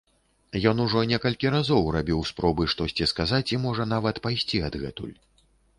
Ён ужо некалькі разоў рабіў спробы штосьці сказаць і, можа, нават пайсці адгэтуль.